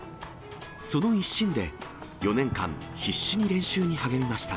その一心で４年間、必死に練習に励みました。